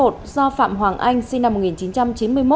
do phạm hoàng anh sinh năm một nghìn chín trăm chín mươi một